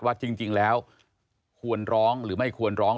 ว่าจริงแล้วควรร้องหรือไม่ควรร้อง